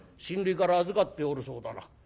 「親類から預かっておるそうだな。